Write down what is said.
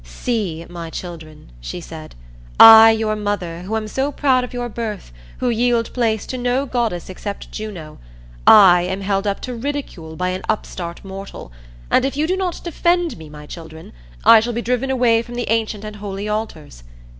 "See, my children," she said, "I, your mother, who am so proud of your birth, who yield place to no goddess except Juno, I am held up to ridicule by an upstart mortal, and if you do not defend me, my children, I shall be driven away from the ancient and holy altars.